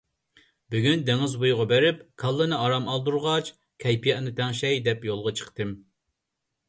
بۈگۈن دېڭىز بويىغا بېرىپ كاللىنى ئارام ئالدۇرغاچ كەيپىياتنى تەڭشەي دەپ يولغا چىقتىم.